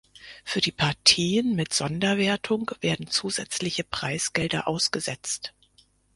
Für die Partien mit Sonderwertung werden zusätzliche Preisgelder ausgesetzt.